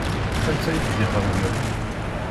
Anta i k-tt-ixedmen?